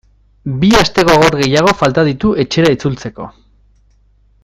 Bi aste gogor gehiago falta ditu etxera itzultzeko.